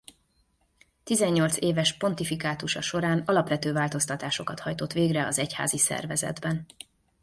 Tizennyolc éves pontifikátusa során alapvető változtatásokat hajtott végre az egyházi szervezetben.